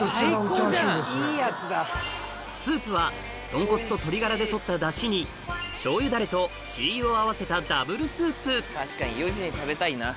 スープは豚骨と鶏ガラで取ったダシにしょうゆダレと鶏油を合わせたダブルスープ確かに４時に食べたいな。